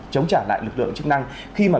chống trả lại lực lượng chức năng khi mà